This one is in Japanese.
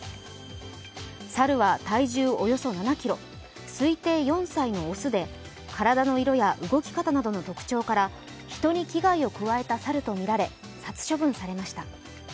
猿は体重およそ７ｋｇ推定４歳の雄で体の色や動き方などの特徴から人に危害を加えた猿とみられ殺処分されました。